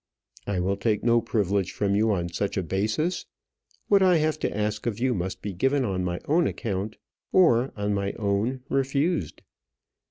"I will take no privilege from you on such a basis. What I have to ask of you must be given on my own account, or on my own refused.